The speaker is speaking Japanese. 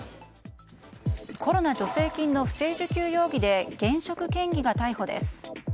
コロナ助成金の不正受給容疑で現職県議が逮捕です。